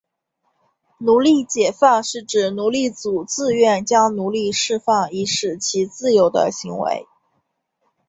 奴隶解放是指奴隶主自愿将奴隶释放以使其自由的行为。